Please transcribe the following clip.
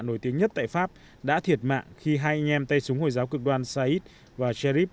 nổi tiếng nhất tại pháp đã thiệt mạng khi hai anh em tay súng hồi giáo cực đoan saedis và charib